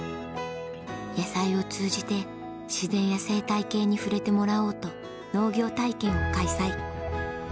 野菜を通じて自然や生態系に触れてもらおうと農業体験を開催